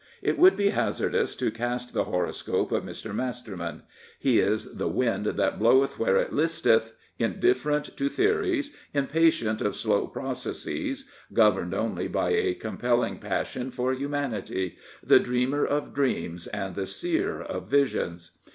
It would be hazardous to cast the horoscope of Mr. Masterman. He is the wind that bloweth where it listeth, indifferent to theories, impatient of slow proc"esses, governed only by a compelling passion for humanity ^he dreamer of dreams and the seer of visions.